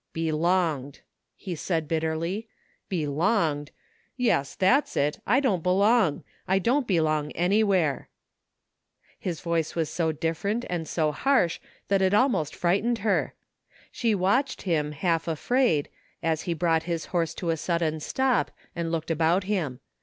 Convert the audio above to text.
" Belonged !" he said bitterly. " Belonged ! Yes, that's it. I don't belong! I don't belong anywhere! " His voice was so different and so harsh that it almost frightened her. She watched him, half afraid as he brought his horse to a sudden stop and looked about him.